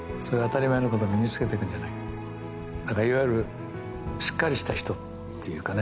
何かいわゆるしっかりした人っていうかね